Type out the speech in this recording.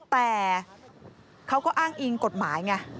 แต่เขาก็อ้างอิงกฎหมายไง